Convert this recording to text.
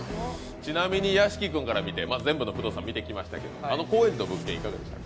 ちなみに、屋敷君から見て全部の物件、見てきましたけどあの高円寺の物件、いかがでした？